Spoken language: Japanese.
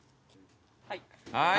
はい。